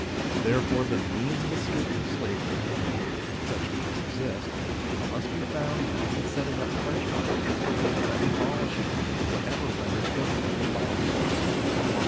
Therefore the means of escape from slavery, if such means exist, must be found not in setting up fresh violence, but in abolishing what ever renders governmental violence possible.